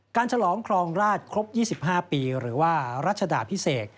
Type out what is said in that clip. ฉลองครองราชครบ๒๕ปีหรือว่ารัชดาพิเศษ